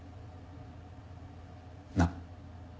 なっ？